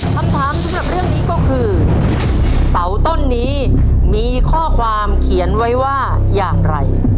คำถามสำหรับเรื่องนี้ก็คือเสาต้นนี้มีข้อความเขียนไว้ว่าอย่างไร